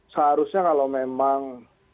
seharusnya kalau memang